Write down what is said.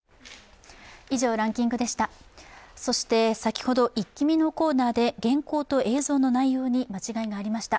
そして、先ほどイッキ見のコーナーで原稿と映像の内容に間違いがありました。